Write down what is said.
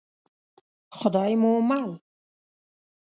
خدای مو مل.